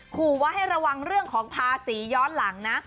ขอว่าให้ระวังเรื่องของภาษีย้อนหลังนะ